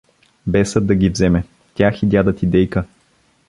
Бесът да ги вземе, тях и дяда ти Дейка!